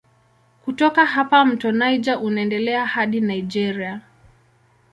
Kutoka hapa mto Niger unaendelea hadi Nigeria.